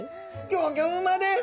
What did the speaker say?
ギョギョうまです。